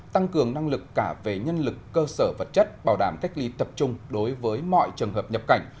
tăng cường năng lực cả về nhân lực cơ sở vật chất bảo đảm cách ly tập trung đối với mọi trường hợp nhập cảnh